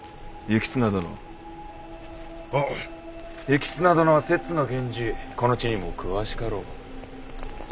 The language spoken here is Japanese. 行綱殿は摂津の源氏この地にも詳しかろう。